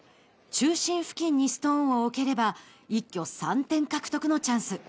中心付近にストーンを置ければ一挙３点獲得のチャンス。